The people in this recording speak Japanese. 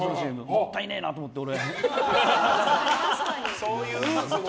もったいねえなと思って、俺。